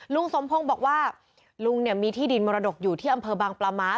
ลุงสมพงศ์บอกว่าลุงเนี่ยมีที่ดินมรดกอยู่ที่อำเภอบางปลาม้า